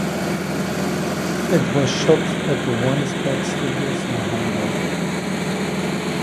It was shot at the Wandsbek Studios in Hamburg.